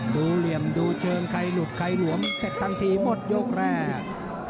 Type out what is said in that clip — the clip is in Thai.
เหลี่ยมดูเชิงใครหลุดใครหลวมเสร็จทันทีหมดยกแรก